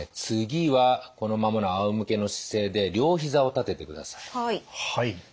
次はこのままのあおむけの姿勢で両膝を立ててください。